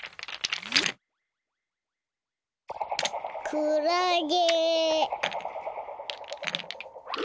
くらげ。